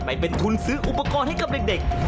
ไปเป็นทุนซื้ออุปกรณ์ให้กับเด็ก